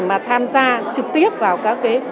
mà tham gia trực tiếp vào các cái